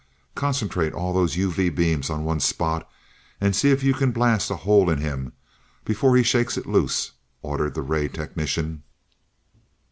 "Concentrate all those UV beams on one spot, and see if you can blast a hole in him before he shakes it loose," ordered the ray technician.